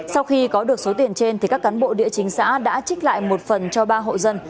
sau khi có được số tiền trên các cán bộ địa chính xã đã trích lại một phần cho ba hộ dân